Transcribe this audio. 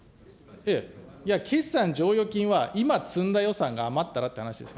いや、決算剰余金は、今積んだ予算が余ったらっていう話ですね。